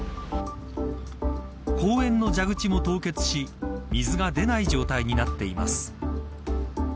公園の蛇口も凍結し水が出ない状態になっています。